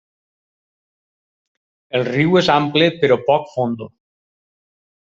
El riu és ample però poc fondo.